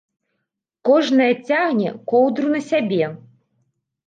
Кожная цягне коўдру на сябе!